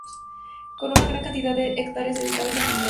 Con una gran cantidad de hectáreas dedicadas al viñedo.